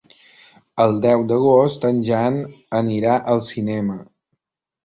El deu d'agost en Jan anirà al cinema.